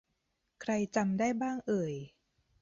ใครจำได้บ้างเอ่ย